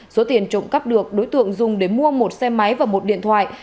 số tiền trộm cắp được đối tượng dùng để mua một xe máy và một điện thoại